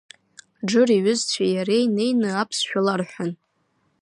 Џыр иҩызцәеи иареи неин аԥсшәа ларҳәан…